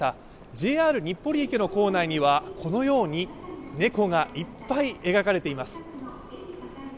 ＪＲ日暮里駅の構内にはこのように猫がいっぱい描かれています。